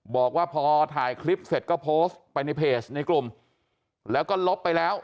บอกว่าพอถ่ายคลิปเสร็จก็โพสต์ไปในเพจในกลุ่มแล้วก็ลบไปแล้ว